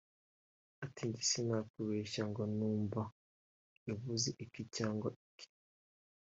Ati “Njye sinakubeshya ngo numva ivuze iki cyangwa iki